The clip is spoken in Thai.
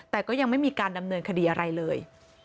แต่ก็ยังไม่มีการดำเนินคดีอะไรเลย